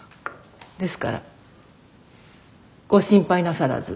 ですからご心配なさらず。